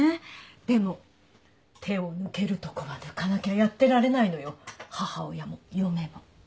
でも手を抜けるとこは抜かなきゃやってられないのよ母親も嫁も。